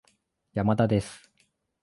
山田です